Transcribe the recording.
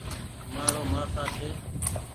مآرو مآسآ ڇي ۔